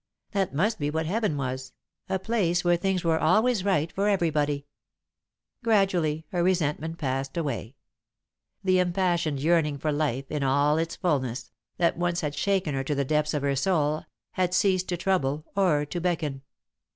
That must be what Heaven was, a place where things were always right for everybody. [Sidenote: Startled] Gradually her resentment passed away. The impassioned yearning for life, in all its fulness, that once had shaken her to the depths of her soul, had ceased to trouble or to beckon.